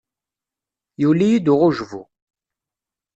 Yuli-yi-d uɣujbu.